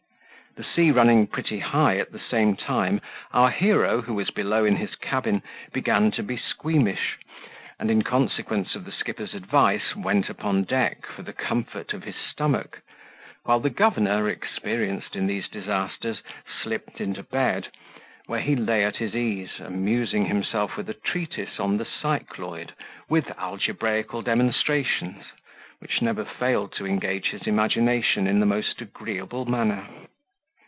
The sea running pretty high at the same time, our hero, who was below in his cabin, began to be squeamish, and, in consequence of the skipper's advice, went upon deck for the comfort of his stomach; while the governor, experienced in these disasters, slipped into bed, where he lay at his ease, amusing himself with a treatise on the cycloid, with algebraical demonstrations, which never failed to engage his imagination in the most agreeable manner.